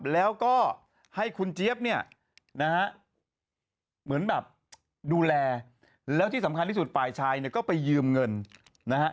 แล้วก็ให้คุณเจี๊ยบเนี่ยนะฮะเหมือนแบบดูแลแล้วที่สำคัญที่สุดฝ่ายชายเนี่ยก็ไปยืมเงินนะฮะ